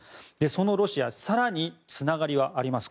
そのロシア更につながりがあります。